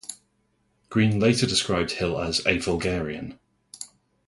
Greene later described Hill as a "vulgarian".